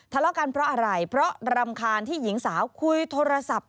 ทะเลาะกันเพราะอะไรเพราะรำคาญที่หญิงสาวคุยโทรศัพท์